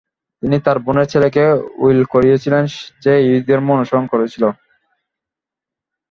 তিনি তার বোনের ছেলেকে উইল করেছিলেন, যে ইহুদি ধর্ম অনুসরণ করেছিল।